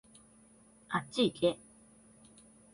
あっちいけ